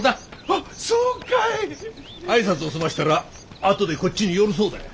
あいさつをすましたらあとでこっちに寄るそうだよ。